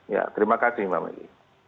ya terima kasih mbak maggie